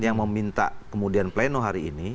yang meminta kemudian pleno hari ini